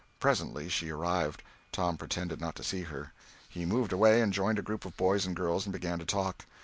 Presently she arrived. Tom pretended not to see her. He moved away and joined a group of boys and girls and began to talk.